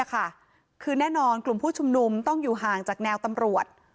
คือแน่นอนกลุ่มผู้ชุมนุมต้องอยู่ห่างจากแนวตำรวจ